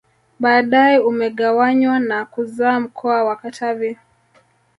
Baadae umegawanywa na kuzaa mkoa wa Katavi